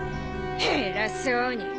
偉そうに！